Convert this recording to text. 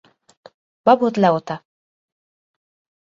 Babot Lehota.